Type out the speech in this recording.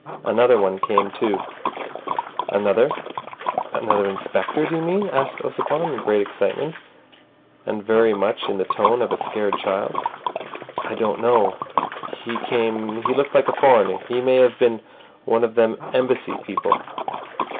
"Another one came too." "Another—another inspector, do you mean?" asked Ossipon, in great excitement, and very much in the tone of a scared child. "I don't know. He came. He looked like a foreigner. He may have been one of them Embassy people."